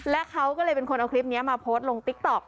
และเขาก็เลยเป็นคนเอาคลิปนี้มาโพสต์ลงติ๊กต๊อก